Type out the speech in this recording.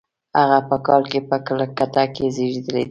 هغه په کال کې په کلکته کې زېږېدلی دی.